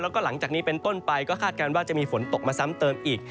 แล้วก็หลังจากนี้เป็นต้นไปก็คาดการณ์ว่าจะมีฝนตกมาซ้ำเติมอีก